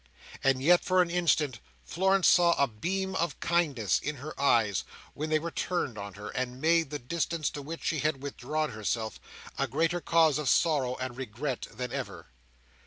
And yet, for an instant, Florence saw a beam of kindness in her eyes, when they were turned on her, that made the distance to which she had withdrawn herself a greater cause of sorrow and regret than ever.